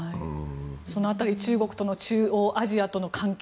その辺り中国との中央アジアとの関係